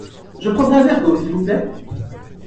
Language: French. Je prendrai un verre d’eau s’il vous plait.